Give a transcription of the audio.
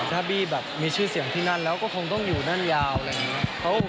ถ้าบี้แบบมีชื่อเสียงที่นั่นแล้วก็คงต้องอยู่นั่นยาวอะไรอย่างนี้